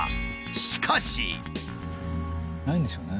しかし。ないんですよね。